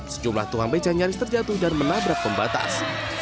sejumlah tukang beca nyaris terjatuh dan menabrak pembatas